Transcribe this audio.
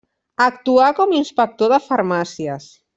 Actuà com inspector de farmàcies.